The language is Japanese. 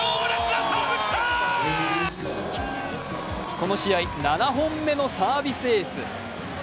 この試合７本目のサービスエース。